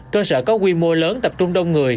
cơ sở có quy mô lớn tập trung đông người